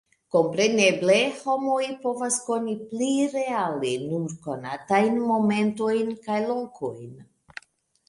Kompreneble homoj povas koni pli reale nur konatajn momentojn kaj lokojn.